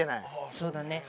そうだね。